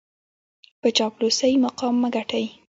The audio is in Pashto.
په چاپلوسۍ مقام مه ګټئ.